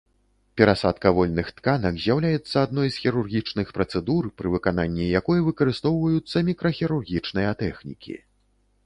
Перасадка вольных тканак з'яўляецца адной з хірургічных працэдур, пры выкананні якой выкарыстоўваюцца мікрахірургічныя тэхнікі.